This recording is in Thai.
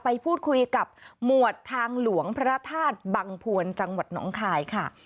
ไปพูดคุยกับหมวดทางหลวงพระธาตุบังพวนจังหวัดน้องคายค่ะ